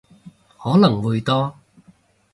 可能會多